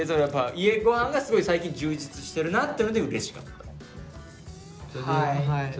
やっぱ家ご飯がすごい最近充実してるなっていうのでうれしかった。